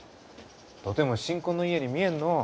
とても新婚の家に見えんのう。